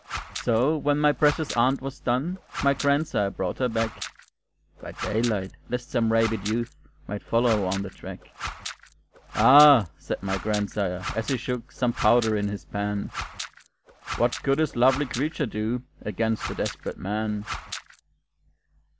So, when my precious aunt was done, My grandsire brought her back (By daylight, lest some rabid youth Might follow on the track); "Ah!" said my grandsire, as he shook Some powder in his pan, "What could this lovely creature do Against a desperate man!"